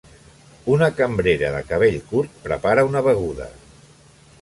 Una cambrera de cabell curt prepara una beguda.